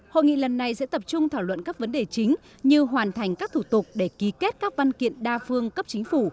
hội nghị lần này sẽ tập trung thảo luận các vấn đề chính như hoàn thành các thủ tục để ký kết các văn kiện đa phương cấp chính phủ